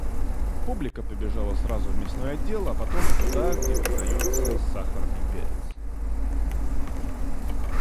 Публика побежала сразу в мясной отдел, а потом туда, где продается сахар и перец.